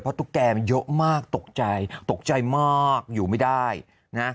ตุ๊กแกมันเยอะมากตกใจตกใจมากอยู่ไม่ได้นะ